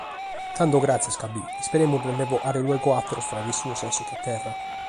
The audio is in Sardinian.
Tando gràtzias Cabì, isperemus de nde bogare luego àteros frades tuos dae suta terra.